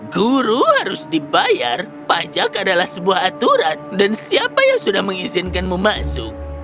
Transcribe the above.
guru harus dibayar pajak adalah sebuah aturan dan siapa yang sudah mengizinkanmu masuk